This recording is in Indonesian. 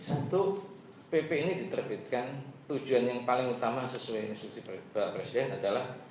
satu pp ini diterbitkan tujuan yang paling utama sesuai instruksi bapak presiden adalah